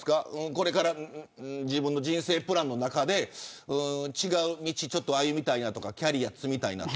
これから自分の人生プランの中で違う道を歩みたいとかキャリア積みたいとか。